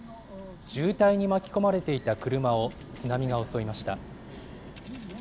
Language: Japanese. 渋滞に巻き込まれていた車を津波が襲いました。